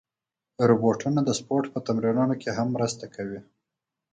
روبوټونه د سپورت په تمرینونو کې هم مرسته کوي.